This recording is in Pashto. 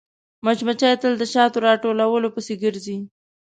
مچمچۍ تل د شاتو راټولولو پسې ګرځي